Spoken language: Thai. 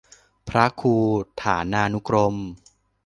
พระครูฐานานุกรม